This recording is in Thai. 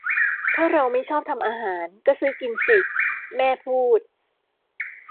ถ้าเราไม่ชอบทำอาหาร ก็ซื้อกินสิ แม่พูด